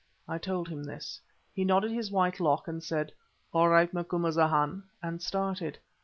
I told him this. He nodded his white lock, said "All right, Macumazahn," and started.